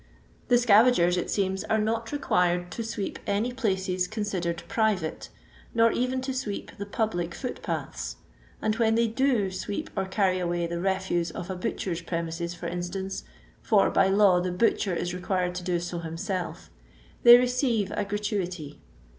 The scavagers, it seems, are not required to sweep any places considered " private," nor even to sweep the puMic fuot paths ; and when they do sweep or carry away the refuse of a butcher's premises, for instanoe — for, by law, the butcher is required to do so himself — they receive a gratuity.